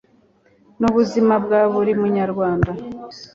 Ni ubuzima bwa buri munyarwanda